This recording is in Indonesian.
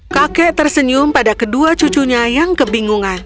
kakek tersenyum pada kedua cucunya yang kebingungan